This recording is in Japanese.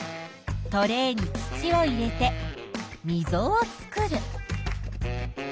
トレーに土を入れてみぞを作る。